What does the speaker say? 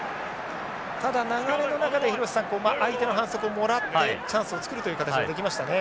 ただ流れの中で廣瀬さん相手の反則をもらってチャンスを作るという形はできましたね。